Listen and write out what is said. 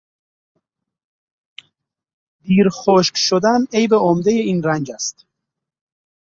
دیرخشک شدن عیب عمدهی این رنگ است.